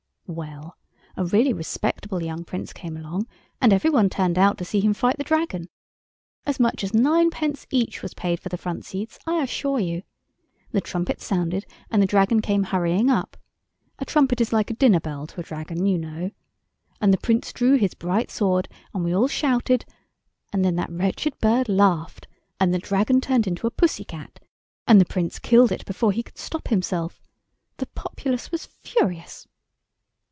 "Well, a really respectable young Prince came along, and every one turned out to see him fight the Dragon. As much as ninepence each was paid for the front seats, I assure you. The trumpet sounded and the Dragon came hurrying up. A trumpet is like a dinner bell to a Dragon, you know. And the Prince drew his bright sword and we all shouted, and then that wretched bird laughed and the Dragon turned into a pussy cat, and the Prince killed it before he could stop himself. The populace was furious."